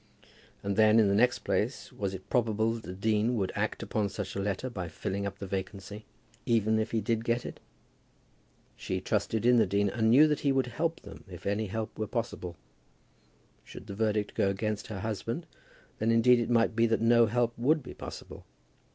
And then, in the next place, was it probable that the dean would act upon such a letter by filling up the vacancy, even if he did get it? She trusted in the dean, and knew that he would help them, if any help were possible. Should the verdict go against her husband, then indeed it might be that no help would be possible.